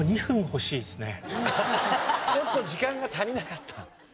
ちょっと時間が足りなかった。